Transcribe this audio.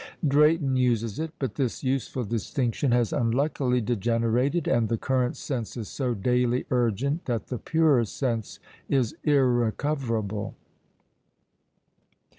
Drayton uses it; but this useful distinction has unluckily degenerated, and the current sense is so daily urgent, that the purer sense is irrecoverable.